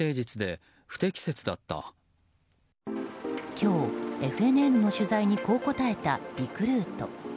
今日、ＦＮＮの取材にこう答えたリクルート。